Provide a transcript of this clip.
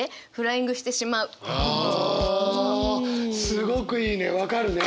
すごくいいね。分かるね。